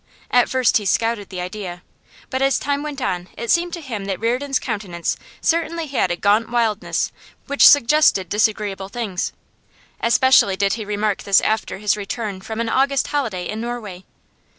At first he scouted the idea, but as time went on it seemed to him that Reardon's countenance certainly had a gaunt wildness which suggested disagreeable things. Especially did he remark this after his return from an August holiday in Norway.